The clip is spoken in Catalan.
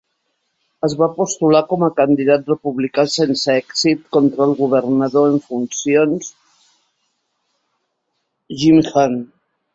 Es va postular com a candidat republicà sense èxit contra el governador en funcions Jim Hunt.